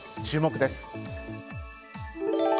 注目です。